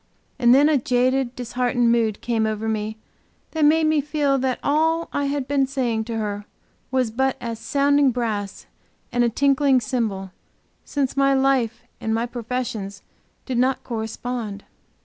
And then a jaded, disheartened mood came over me that made me feel that all I had been saying to her was but as sounding brass and a tinkling cymbal, since my life and my professions did not correspond.